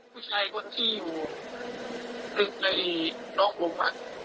ผู้ชายคนที่อยู่ลึกในเนื้อของมัน